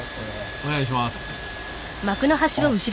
お願いします。